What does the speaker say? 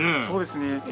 そうですね。